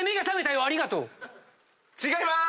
違いまーす！